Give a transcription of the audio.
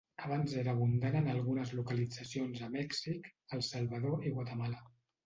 Abans era abundant en algunes localitzacions a Mèxic, El Salvador i Guatemala.